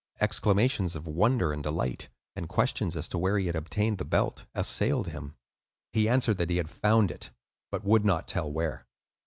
Exclamations of wonder and delight, and questions as to where he had obtained the belt, assailed him. He answered that he had "found" it, but would not tell where.